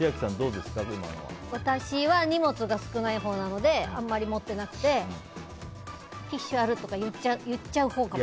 私は荷物が少ないほうなのであんまり持ってなくてティッシュある？とか言っちゃうほうかも。